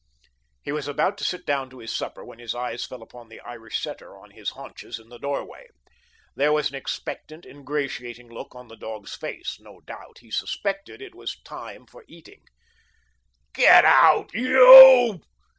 He was about to sit down to his supper when his eye fell upon the Irish setter, on his haunches in the doorway. There was an expectant, ingratiating look on the dog's face. No doubt, he suspected it was time for eating. "Get out YOU!"